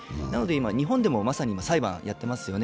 日本でもまさに裁判をやっていますよね。